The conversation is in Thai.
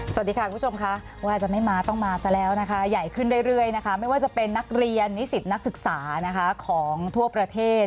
สวัสดีค่ะคุณผู้ชมค่ะว่าอาจจะไม่มาต้องมาซะแล้วนะคะใหญ่ขึ้นเรื่อยนะคะไม่ว่าจะเป็นนักเรียนนิสิตนักศึกษานะคะของทั่วประเทศ